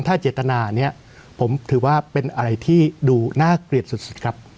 ถ้าเจตนานี้ผมถือว่าเป็นอะไรที่ดูน่าเกลียดสุดครับ